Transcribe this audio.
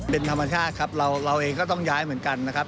เป็นธรรมชาติครับเราเองก็ต้องย้ายเหมือนกันนะครับ